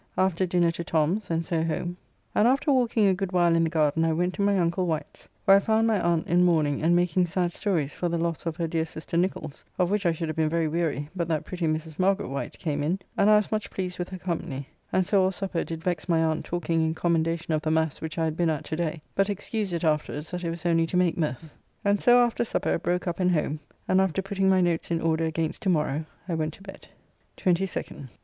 After dinner to Tom's, and so home, and after walking a good while in the garden I went to my uncle Wight's, where I found my aunt in mourning and making sad stories for the loss of her dear sister Nicholls, of which I should have been very weary but that pretty Mrs. Margaret Wight came in and I was much pleased with her company, and so all supper did vex my aunt talking in commendation of the mass which I had been at to day, but excused it afterwards that it was only to make mirth. And so after supper broke up and home, and after putting my notes in order against to morrow I went to bed. 22nd.